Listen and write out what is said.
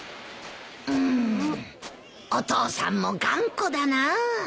うんお父さんも頑固だなあ。